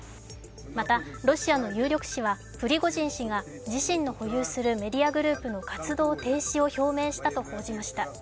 またロシアの有力紙はプリゴジン氏が、自身が保有するメディアグループの活動停止を表明したと報じました。